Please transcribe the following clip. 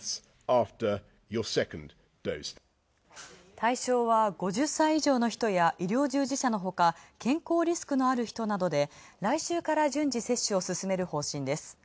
対象は５０歳以上の人や医療従事者のほか、健康リスクのある人などで来週から順次接種をすすめる方針です。